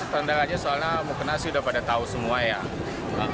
tanda aja soalnya mukena sih udah pada tahu semua ya